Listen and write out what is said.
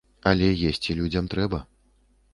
Але есці людзям трэба.